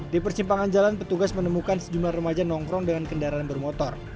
di persimpangan jalan petugas menemukan sejumlah remaja nongkrong dengan kendaraan bermotor